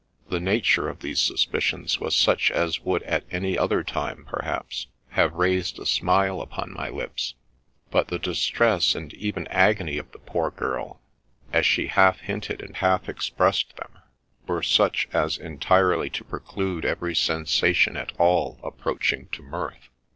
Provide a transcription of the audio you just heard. The nature of these suspicions was such as would at any other time, perhaps, have raised a smile upon my lips ; but the distress and even agony of the poor girl, as she half hinted and half expressed them, were such as entirely to preclude every sensation at all approaching to mirth.